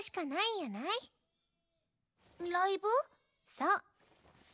そう。